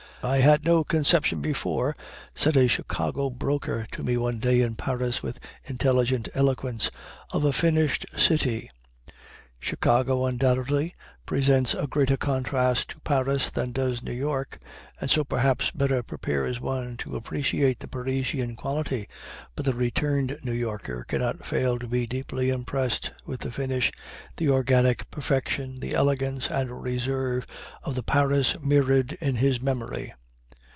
"I had no conception before," said a Chicago broker to me one day in Paris, with intelligent eloquence, "of a finished city!" Chicago undoubtedly presents a greater contrast to Paris than does New York, and so, perhaps, better prepares one to appreciate the Parisian quality, but the returned New Yorker cannot fail to be deeply impressed with the finish, the organic perfection, the elegance, and reserve of the Paris mirrored in his memory.